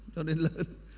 cho đến lớn